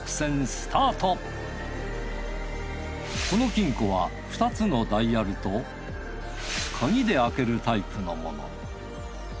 この金庫は２つのダイヤルと鍵で開けるタイプのもの。